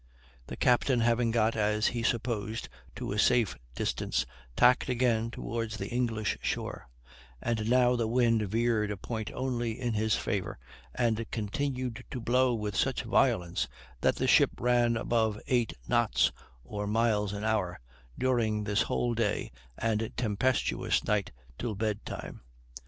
The captain having got, as he supposed, to a safe distance, tacked again towards the English shore; and now the wind veered a point only in his favor, and continued to blow with such violence, that the ship ran above eight knots or miles an hour during this whole day and tempestuous night till bed time.